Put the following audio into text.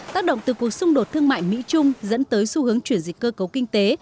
tác động từ cuộc xung đột thương mại mỹ trung dẫn tới xu hướng chuyển dịch cơ cấu kinh tế